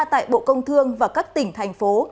tại bộ công thương và các tỉnh thành phố